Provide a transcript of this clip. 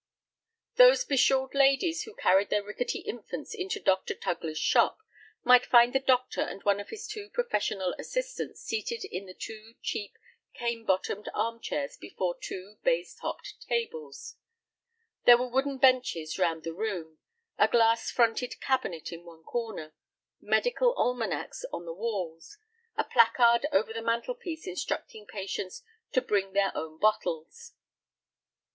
Those be shawled ladies who carried their rickety infants into Dr. Tugler's shop, might find the doctor and one of his two professional assistants seated in the two cheap, cane bottomed arm chairs before two baize topped tables. There were wooden benches round the room, a glass fronted cabinet in one corner, medical almanacs on the walls, a placard over the mantel piece instructing patients "To bring their own bottles."